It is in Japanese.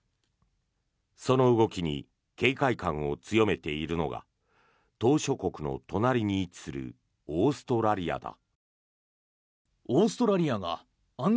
その動きに警戒感を強めているのが島しょ国の隣に位置するオーストラリアだ。